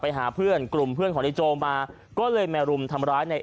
หาเพื่อนกลุ่มเพื่อนของในโจมมาก็เลยมารุมทำร้ายใน